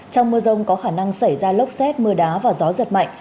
trong mưa rông có khả năng xảy ra lốc xét mưa đá và gió giật mạnh